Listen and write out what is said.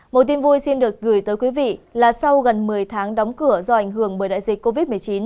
một tin vui xin được gửi tới quý vị là sau gần một mươi tháng đóng cửa do ảnh hưởng bởi đại dịch covid một mươi chín